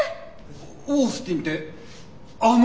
オースティンってあの？